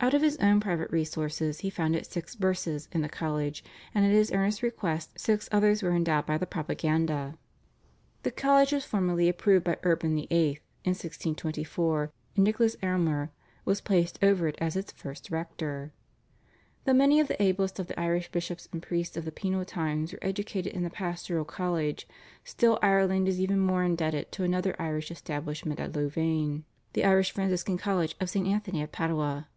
Out of his own private resources he founded six burses in the college, and at his earnest request six others were endowed by the Propaganda. The college was formally approved by Urban VIII. in 1624, and Nicholas Aylmer was placed over it as its first rector. Though many of the ablest of the Irish bishops and priests of the penal times were educated in the Pastoral College, still Ireland is even more indebted to another Irish establishment at Louvain, the Irish Franciscan College of St. Anthony of Padua.